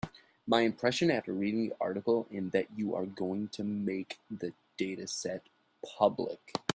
My impression after reading the article is that you are going to make the dataset public.